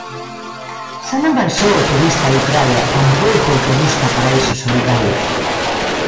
Xa non vai só o turista de praia, tampouco o que busca paraísos solitarios.